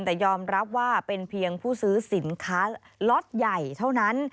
แต่ยอมรับว่าเป็นเพียงผู้ซื้อสินค้าล็อตใหญ่เท่านั้น